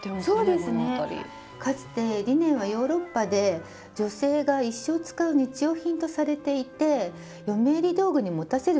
かつてリネンはヨーロッパで女性が一生使う日用品とされていて嫁入り道具に持たせる習慣があったんですね。